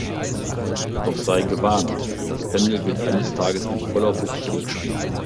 Doch sei gewarnt, das Pendel wird eines Tages mit voller Wucht zurückschwingen!